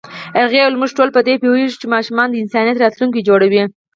هغې وویل موږ ټول په دې پوهېږو چې ماشومان د انسانیت راتلونکی جوړوي.